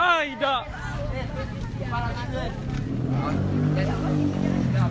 dan indata dengan suara ho